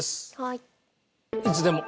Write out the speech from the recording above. いつでも。